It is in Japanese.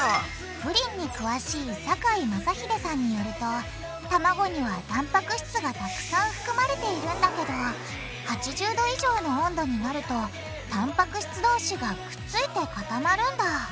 プリンに詳しい酒井雅秀さんによるとたまごにはたんぱく質がたくさん含まれているんだけど８０℃以上の温度になるとたんぱく質どうしがくっついて固まるんだうん。